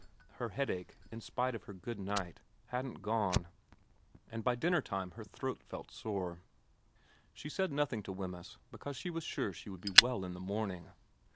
Her headache, in spite of her good night, hadn't gone, and by dinner time her throat felt sore. She said nothing to Wemyss, because she was sure she would be well in the morning.